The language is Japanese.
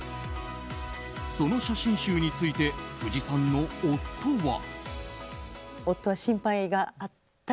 その写真集について藤さんの夫は。